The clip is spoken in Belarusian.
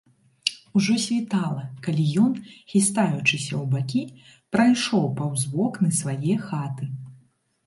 Ужо світала, калі ён, хістаючыся ў бакі, прайшоў паўз вокны свае хаты.